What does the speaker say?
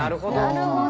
なるほど。